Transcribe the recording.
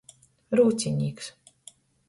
Rūcinīks.